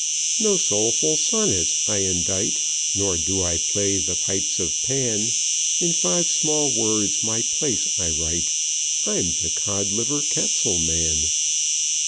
"No soulful sonnets I indite, Nor do I play the pipes of Pan; In five small words my place I write I'm the Codliver Capsule Man.